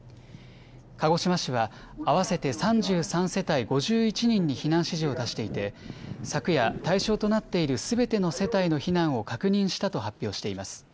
鹿児島市は合わせて３３世帯５１人に避難指示を出していて昨夜、対象となっているすべての世帯の避難を確認したと発表しています。